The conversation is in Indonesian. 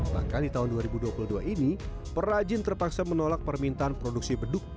bahkan di tahun dua ribu dua puluh dua ini perajin terpaksa menolak permintaan produksi beduk